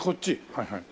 はいはい